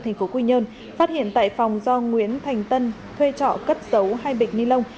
thành phố quy nhơn phát hiện tại phòng do nguyễn thành tân thuê trọ cất giấu hai bịch ni lông